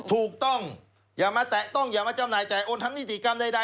ถูกต้องอย่ามาแตะต้องอย่ามาจำหน่ายจ่ายโอนทำนิติกรรมใด